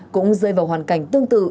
cũng rơi vào hoàn cảnh tương tự